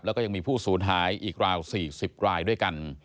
แล้วก็ยังมีผู้สูญหายอีกราว๔๐รายด้วยกัน